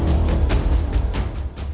jadi tidak menguntungkan